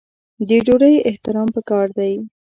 د ډوډۍ احترام پکار دی.